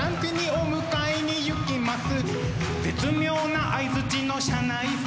お迎えにゆきます